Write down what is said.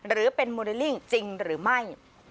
หรือเป็นโมเดลลิ่งจริงหรือไม่